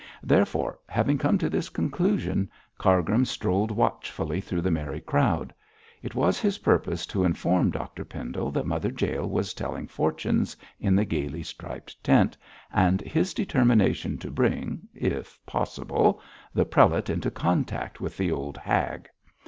Therefore, having come to this conclusion, Cargrim strolled watchfully through the merry crowd. It was his purpose to inform Dr Pendle that Mother Jael was telling fortunes in the gaily striped tent, and his determination to bring if possible the prelate into contact with the old hag.